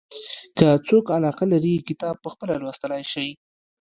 که څوک علاقه لري کتاب پخپله لوستلای شي.